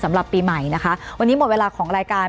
สำหรับปีใหม่นะคะวันนี้หมดเวลาของรายการ